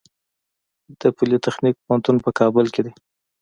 د پولي تخنیک پوهنتون په کابل کې دی